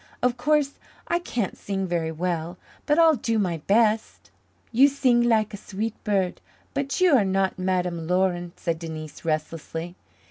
Of course, I can't sing very well, but I'll do my best." "You sing lak a sweet bird, but you are not Madame Laurin," said Denise restlessly.